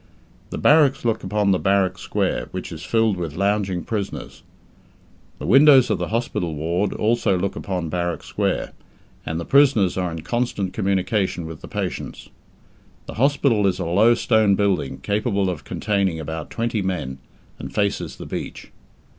The barracks look upon the Barrack Square, which is filled with lounging prisoners. The windows of the hospital ward also look upon Barrack Square, and the prisoners are in constant communication with the patients. The hospital is a low stone building, capable of containing about twenty men, and faces the beach.